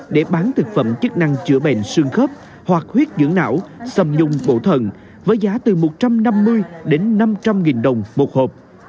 để bán thực phẩm chức năng chữa bệnh xương khớp hoặc huyết dưỡng não sầm nhung bổ thần với giá từ một trăm năm mươi đến năm trăm linh nghìn đồng một hộp